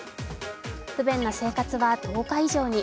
不便な生活は１０日以上に。